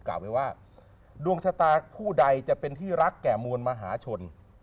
ไปว่าดวงชะตาคู่ใดจะเป็นที่รักแก่มวลมหาชน